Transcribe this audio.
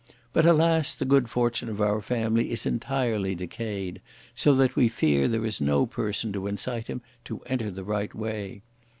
But alas! the good fortune of our family is entirely decayed, so that we fear there is no person to incite him to enter the right way!